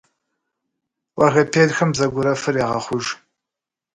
Логопедхэм бзэгурэфыр ягъэхъуж.